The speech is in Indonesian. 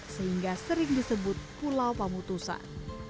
sehingga sering disebut pulau pamutusan